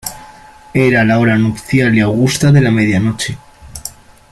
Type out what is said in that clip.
era la hora nupcial y augusta de la media noche.